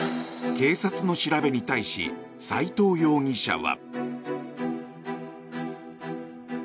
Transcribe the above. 警察の調べに対し斎藤容疑者は。